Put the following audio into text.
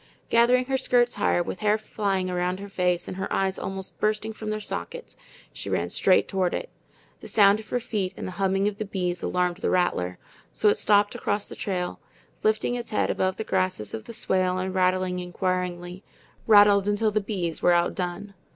Gathering her skirts higher, with hair flying around her face and her eyes almost bursting from their sockets, she ran straight toward it. The sound of her feet and the humming of the bees alarmed the rattler, so it stopped across the trail, lifting its head above the grasses of the swale and rattling inquiringly rattled until the bees were outdone.